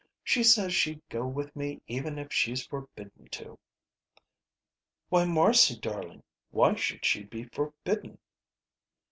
She says she'd go with me even if she's forbidden to." "Why, Marcy darling, why should she be forbidden?"